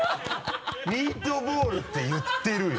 ミートボールって言ってるよ！